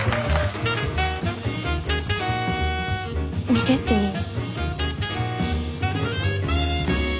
見てっていい？